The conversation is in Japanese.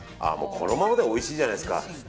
このままでもおいしいじゃないですか。